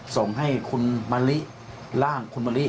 ส่งให้คุณมะลิร่างคุณมะลิ